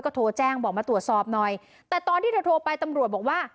โทรแจ้งบอกมาตรวจสอบหน่อยแต่ตอนที่เธอโทรไปตำรวจบอกว่า